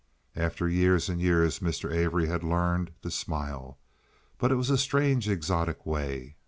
After years and years Mr. Avery had learned to smile, but it was in a strange, exotic way.